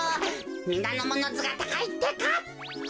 みなのものずがたかいってか。ははぁ。